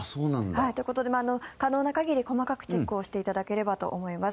ということで可能な限り細かくチェックをしていただければと思います。